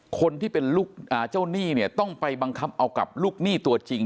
คนที่เป็นลูกเจ้าหนี้เนี่ยต้องไปบังคับเอากับลูกหนี้ตัวจริง